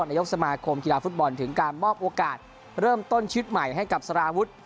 นายกสมาคมกีฬาฟุตบอลถึงการมอบโอกาสเริ่มต้นชีวิตใหม่ให้กับสารวุฒิ